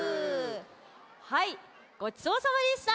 はいごちそうさまでした。